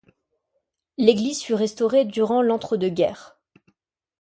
L'église fut restaurée durant l'entre-deux-guerres.